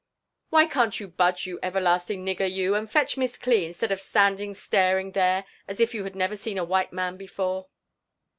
" Why can't you budge, you everlasting nigger, you, and fetch Miss Cli, instead of standing staring there, as if you bad never seen a white man before?"